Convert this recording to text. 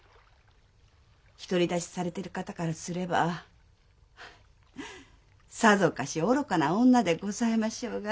独り立ちされてる方からすればさぞかし愚かな女でございましょうが。